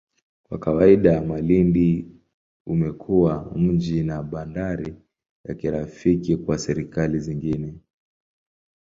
Kwa kawaida, Malindi umekuwa mji na bandari ya kirafiki kwa serikali zingine.